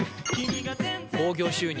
興行収入